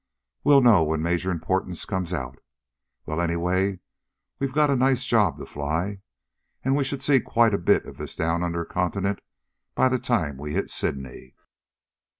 We'll know when Major Importance comes out. Well, anyway, we've got a nice job to fly. And we should see quite a bit of this down under continent by the time we hit Sydney."